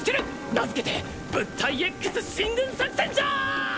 名づけて物体Ｘ進軍作戦じゃ！